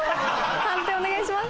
判定お願いします。